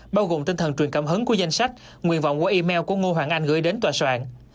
bao gồm tinh thần truyền cảm hứng của danh sách nguyện vọng của email của ngô hoàng anh gửi đến tòa soạn